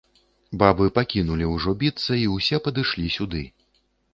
Бабы пакінулі ўжо біцца і ўсе падышлі сюды.